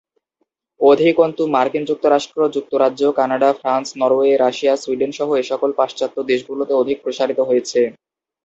অধিকন্তু মার্কিন যুক্তরাষ্ট্র, যুক্তরাজ্য, Canada, France, Norway, Russia, Sweden সহ এসকল পাশ্চাত্য দেশগুলোতে অধিক প্রসারিত হয়েছে।